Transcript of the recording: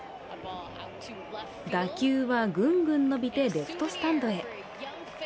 打球はグングン伸びてレフトスタンドへ。